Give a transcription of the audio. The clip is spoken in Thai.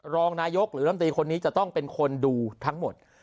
รองนายกหรือลำตีคนนี้จะต้องเป็นคนดูทั้งหมด